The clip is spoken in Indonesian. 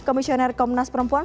komisioner komnas perempuan